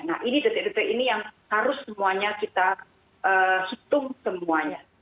nah ini detik detik ini yang harus semuanya kita hitung semuanya